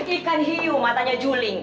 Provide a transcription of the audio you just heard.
ikan hiu matanya juling